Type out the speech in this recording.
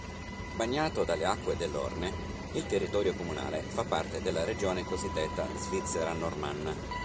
Bagnato dalle acque dell'Orne, il territorio comunale fa parte della regione cosiddetta Svizzera normanna.